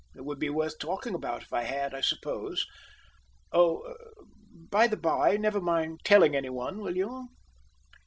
It would be worth talking about if I had, I suppose. Oh! By the by, never mind telling any one, will you?"